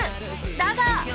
だが